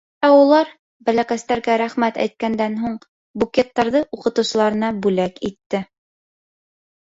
Ә улар, бәләкәстәргә рәхмәт әйткәндән һуң, букеттарҙы уҡытыусыларына бүләк итте.